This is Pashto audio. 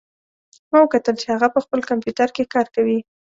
ما وکتل چې هغه په خپل کمپیوټر کې کار کوي